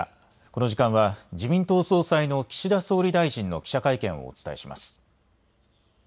この時間は自民党総裁の岸田総理大臣の記者会見をお伝えします。